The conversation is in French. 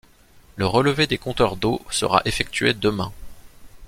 Le relevé des compteurs d'eau sera effectué demain.